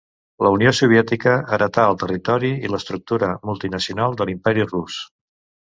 La Unió Soviètica heretà el territori i l'estructura multinacional de l'Imperi Rus.